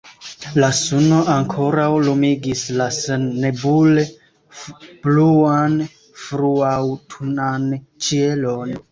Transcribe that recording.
La suno ankoraŭ lumigis la sennebule bluan fruaŭtunan ĉielon.